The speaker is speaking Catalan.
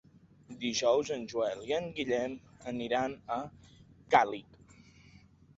Dijous en Joel i en Guillem aniran a Càlig.